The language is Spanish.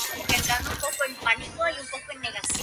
Con De los Pueblos grabó dos álbumes.